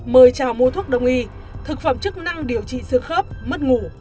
mời chào mua thuốc đồng y thực phẩm chức năng điều trị xương khớp mất ngủ